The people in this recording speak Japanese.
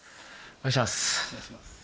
お願いします。